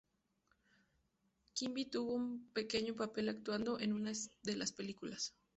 Quimby tuvo un pequeño papel actuando en una de las películas.